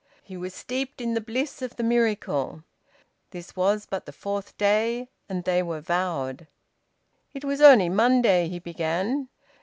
He was steeped in the bliss of the miracle. This was but the fourth day, and they were vowed. "It was only Monday," he began.